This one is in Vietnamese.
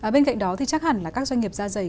bên cạnh đó thì chắc hẳn là các doanh nghiệp da dày